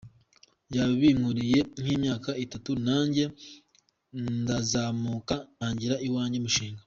Yabinkoreye nk’imyaka itanu nanjye ndazamuka ntangiza uwanjye mushinga.